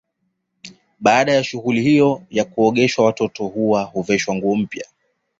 Baada ya shughuli hiyo ya kuogeshwa watoto hao huveshwa nguo mpya